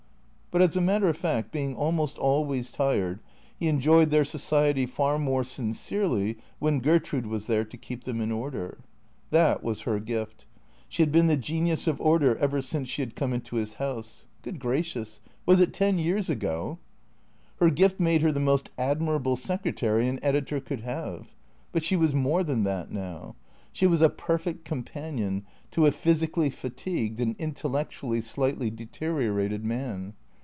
But as a matter of fact, being almost always tired, he enjoyed their society far more sincerely when Gertrude was there to keep them in order. That was her gift. She had been the genius of order ever since she had come into his house — good gracious, was it ten years ago? Her gift made her the most admirable secretary an editor could have. But she was more than that now. She was a perfect companion to a physically fatigued and intellectually slightly deteriorated man.